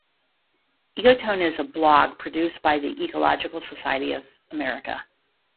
EcoTone is a blog produced by the Ecological Society of America.